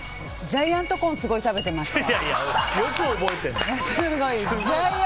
ジャイアントコーンすごい食べてた。